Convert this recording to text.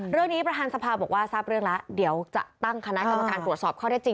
เรื่องนี้ประธานสภาบอกว่าทราบเรื่องแล้วเดี๋ยวจะตั้งคณะกรรมการตรวจสอบข้อได้จริง